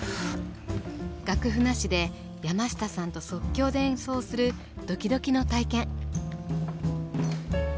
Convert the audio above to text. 楽譜なしで山下さんと即興で演奏するドキドキの体験。